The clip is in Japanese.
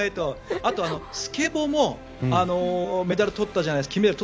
あと、スケボーも金メダルを取ったじゃないですか。